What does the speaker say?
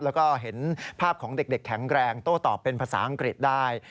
แล้วก็เห็นภาพของเด็กแข็งแรงโต้ตอบเป็นภาษาอังกฤษได้